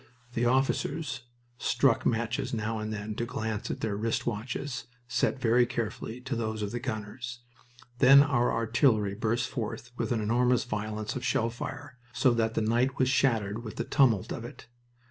The officers struck matches now and then to glance at their wrist watches, set very carefully to those of the gunners. Then our artillery burst forth with an enormous violence of shell fire, so that the night was shattered with the tumult of it.